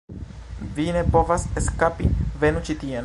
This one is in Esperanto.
Vi ne povas eskapi, venu ĉi tien!